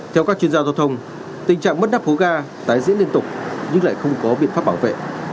theo các chuyên gia giao thông tình trạng mất nắp hố ga tái diễn liên tục nhưng lại không có biện pháp bảo vệ